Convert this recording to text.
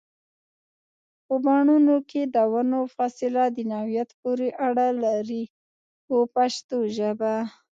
په بڼونو کې د ونو فاصله د نوعیت پورې اړه لري په پښتو ژبه.